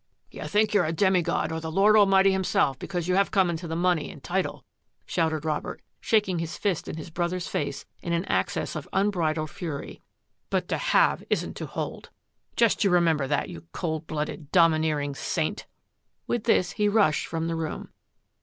" You think you're a demi god or the Lord Al mighty himself because you have come into the money and title," shouted Robert, shaking his fist in his brother's face in an access of unbridled fury, " but to have isn't to hold. Just you re member that, you cold blooded, domineering saint !'.' With this he rushed from the room.